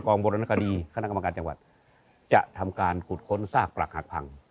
โบราณคดีคณะกรรมการจังหวัดจะทำการขุดค้นซากปรักหักพัง